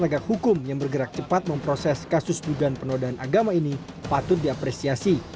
penegak hukum yang bergerak cepat memproses kasus dugaan penodaan agama ini patut diapresiasi